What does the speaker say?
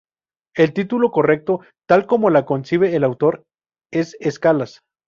El título correcto, tal como lo concibió el autor, es Escalas.